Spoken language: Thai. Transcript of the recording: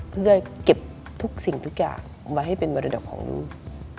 เพื่อเก็บทุกสิ่งทุกอย่างมาให้เป็นมรดกของลูก